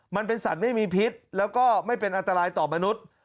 มันเป็นสัตว์ไม่มีพิษแล้วก็ไม่เป็นอันตรายต่อมนุษย์